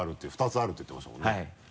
２つあるって言ってましたもんねはい。